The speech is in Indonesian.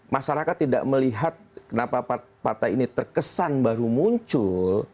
masyarakat tidak melihat kenapa partai ini terkesan baru muncul